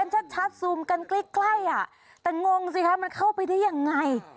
ชัดซูมกันใกล้อ่ะแต่งงสิคะมันเข้าไปได้ยังไง